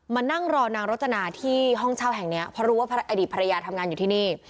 มานั่งรอนางรจนาที่ห้องเช่าแห่งนี้เพราะรู้ว่าอดีตภรรยาทำงานอยู่ที่นี่